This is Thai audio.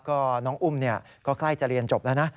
ก็น้องอุ้มก็ใกล้จะเรียนจบแล้วนะ